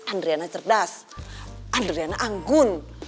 adriana cerdas adriana anggun